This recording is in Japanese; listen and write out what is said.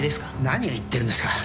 何を言ってるんですか。